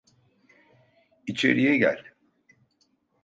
İçeriye gel.